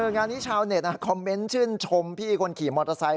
งานนี้ชาวเน็ตคอมเมนต์ชื่นชมพี่คนขี่มอเตอร์ไซค